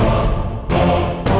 ada apaan sih